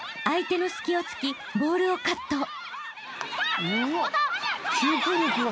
相手の隙を突きボールをカット］